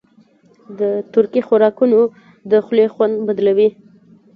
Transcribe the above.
د ترکي خوراکونه د خولې خوند بدلوي.